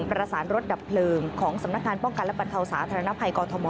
ประสานรถดับเพลิงของสำนักงานป้องกันและบรรเทาสาธารณภัยกอทม